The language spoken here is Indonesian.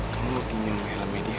kamu pinjem elme dia ya